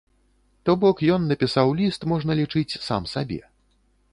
То бок, ён напісаў ліст, можна лічыць, сам сабе.